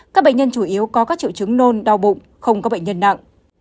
các bệnh nhân chủ yếu có các triệu chứng nôn đau bụng không có bệnh nhân nặng